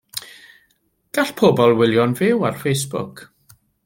Gall pobl wylio'n fyw ar Facebook.